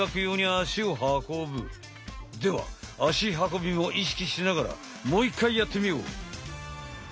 では足運びも意識しながらもう一回やってみよう！